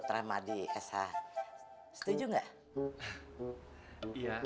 terima kasih ya